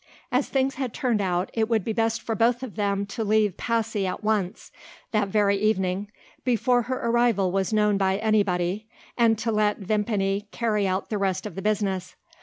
As things had turned out, it would be best for both of them to leave Passy at once that very evening before her arrival was known by anybody, and to let Vimpany carry out the rest of the business.